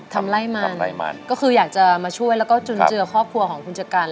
ทำร่ายมานคืออยากจะมาช่วยแล้วก็จนเจอครอบครัวของคนจะกัน